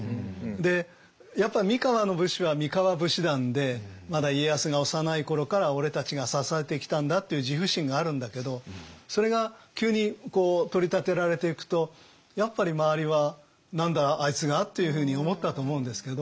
でやっぱり三河の武士は三河武士団でまだ家康が幼い頃から俺たちが支えてきたんだっていう自負心があるんだけどそれが急に取り立てられていくとやっぱり周りは「何だあいつが」というふうに思ったと思うんですけど。